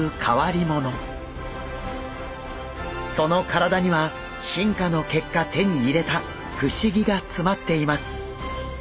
その体には進化の結果手に入れた不思議が詰まっています。